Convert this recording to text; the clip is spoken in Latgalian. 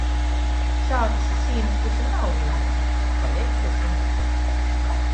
Sātys i sīnys vysim nav vīnaidys, bet paleidz vysim vysod...